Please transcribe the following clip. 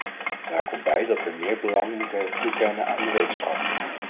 Daar komt bij dat we meer belang moeten toekennen aan de wetenschap.